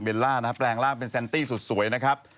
เบลล่านะครับแปลงร่างเป็นแซนตี้สวยนะครับ